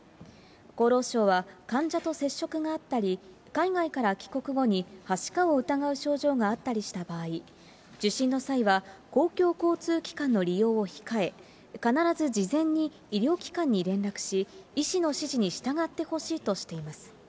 厚労省は患者と接触があったり、海外から帰国後に、はしかを疑う症状があったりした場合、受診の際は公共交通機関の利用を控え、必ず事前に医療機関に連絡し、医師の指示に従ってほしいとしています。